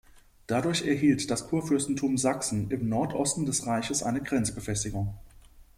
Dadurch erhielt das Kurfürstentum Sachsen im Nordosten des Reiches eine Grenzbefestigung.